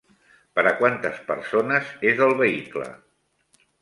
Per a quantes persones és el vehicle?